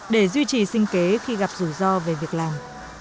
để duy trì sinh kế khi gặp rủi ro về việc làm